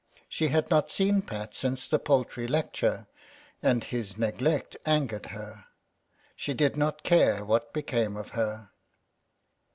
She had not seen Pat since the poultry lecture, and his neglect angered her. She did not care what became of her.